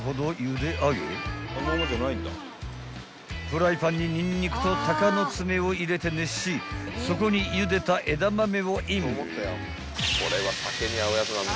［フライパンにニンニクと鷹の爪を入れて熱しそこにゆでた枝豆をイン］